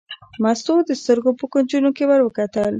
مستو د سترګو په کونجونو کې ور وکتل.